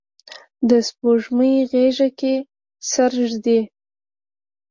د سپوږمۍ غیږه کې سر ږدي